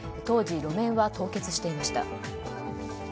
当時、路面は凍結していました。